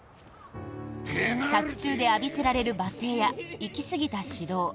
作中で浴びせられる罵声や行きすぎた指導